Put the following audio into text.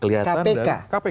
kelihatan dari kpk